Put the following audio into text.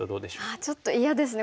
ああちょっと嫌ですね。